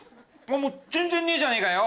もう全然ねえじゃねえかよ